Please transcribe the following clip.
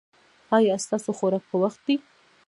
ایا ستاسو خوراک په وخت دی؟